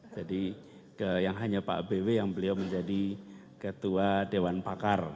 jadi yang hanya pak bw yang beliau menjadi ketua dewan pakar